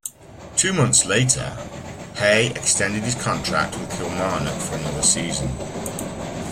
Two months later, Hay extended his contract with Kilmarnock for another season.